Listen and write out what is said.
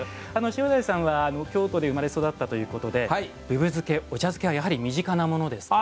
塩鯛さんは京都で生まれ育ったということでぶぶ漬け、お茶漬けはやはり身近なものですか？